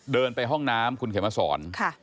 เดินไปห้องน้ำคุณเขมสอน